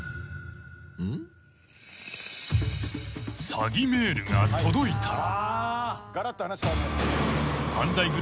［詐欺メールが届いたら］